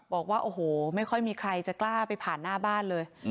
บอกว่าโอ้โหไม่ค่อยมีใครจะกล้าไปผ่านหน้าบ้านเลย